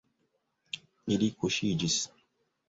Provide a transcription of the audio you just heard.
Ili kuŝiĝis.